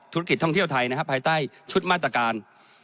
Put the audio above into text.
ธุรกิจท่องเที่ยวไทยนะครับภายใต้ชุดมาตรการ